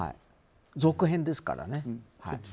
続編ですからね。